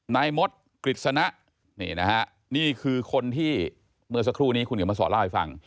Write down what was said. นายมดกฤษณะนี่นะฮะนี่คือคนที่เมื่อสักครู่นี้คุณเขียนมาสอนเล่าให้ฟัง